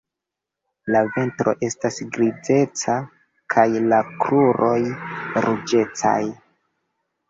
La ventro estas grizeca kaj la kruroj ruĝecaj.